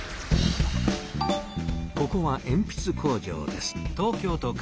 ここはえんぴつ工場です。